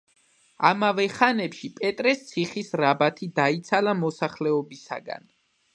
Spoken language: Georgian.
ამავე ხანებში პეტრეს ციხის რაბათი დაიცალა მოსახლეობისაგან.